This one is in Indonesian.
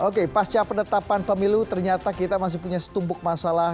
oke pasca penetapan pemilu ternyata kita masih punya setumpuk masalah